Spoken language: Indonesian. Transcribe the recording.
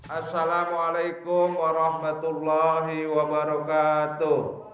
assalamualaikum warahmatullahi wabarakatuh